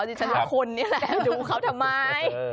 ดิฉันว่าคุณนี่แหละดูเขาทำไม